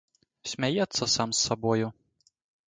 Смяецца сам з сабою.